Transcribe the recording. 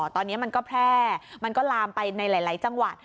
ตอนนี้มันก็แพร่มันก็ลามไปในหลายจังหวัด